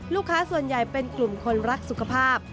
ลูกค้าส่วนใหญ่เป็นกลุ่มคนรักสุขภาพ